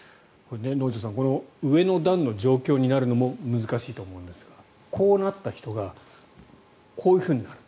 能條さん上の段の状況になるのも難しいと思うんですがこうなった人がこういうふうになる。